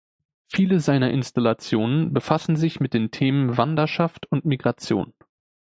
Viele seiner Installationen befassen sich mit den Themen Wanderschaft und Migration.